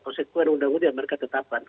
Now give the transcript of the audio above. konsekuen undang undang yang mereka tetapkan